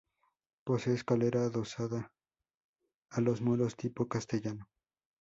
Posee escalera adosada a los muros, tipo castellano.